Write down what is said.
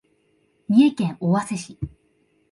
三重県尾鷲市